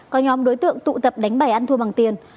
có nhóm đối tượng tụ tập đánh bài ăn thua bằng tiền